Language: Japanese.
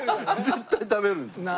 絶対食べるんですよ。